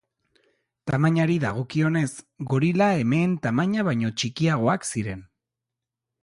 Tamainari dagokionez, gorila emeen tamaina baino txikiagoak ziren.